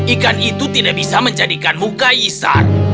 ikan itu tidak bisa menjadikanmu kaisar